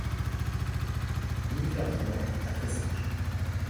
Mine Ferdinand à Tressange.